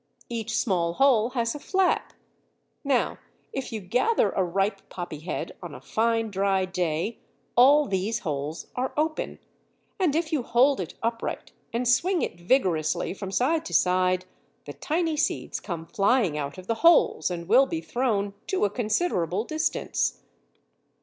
Each small hole has a flap. Now if you gather a ripe poppy head on a fine dry day all these holes are open, and if you hold it upright and swing it vigorously from side to side the tiny seeds come flying out of the holes and will be thrown to a considerable distance.